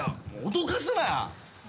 脅かすなよ。